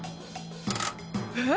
えっ。